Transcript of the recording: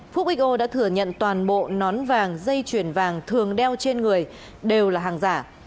phúc xo đã thừa nhận toàn bộ nón vàng dây chuyển vàng thường đeo trên người đều là hàng giả